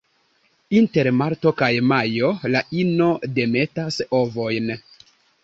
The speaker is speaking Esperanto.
Inter marto kaj majo la ino demetas ovojn.